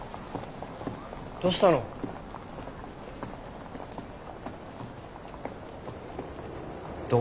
どうしたの。怒？